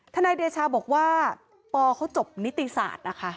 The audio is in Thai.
นายเดชาบอกว่าปเขาจบนิติศาสตร์นะคะ